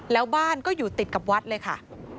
แล้วบ้านก็อยู่ติดกับวัดเลยค่ะ